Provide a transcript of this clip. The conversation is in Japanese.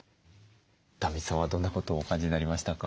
壇蜜さんはどんなことをお感じになりましたか？